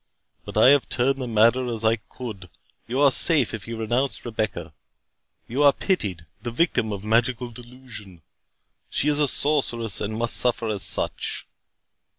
But I have turned the matter as I could; you are safe if you renounce Rebecca. You are pitied—the victim of magical delusion. She is a sorceress, and must suffer as such."